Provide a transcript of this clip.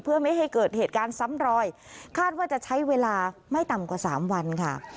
เพื่อไม่ให้เกิดเหตุการณ์ซ้ำรอยคาดว่าจะใช้เวลาไม่ต่ำกว่าสามวันค่ะ